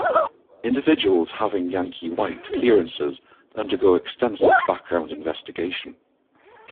Individuals having Yankee White clearances undergo extensive background investigation.